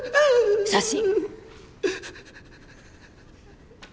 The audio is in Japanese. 写真。